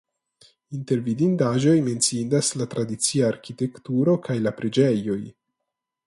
Inter vidindaĵoj menciindas la tradicia arkitekturo kaj la preĝejoj.